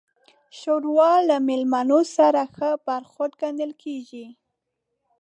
ښوروا له میلمانه سره ښه برخورد ګڼل کېږي.